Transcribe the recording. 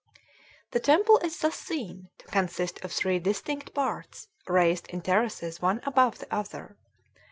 The temple is thus seen to consist of three distinct parts, raised in terraces one above the other.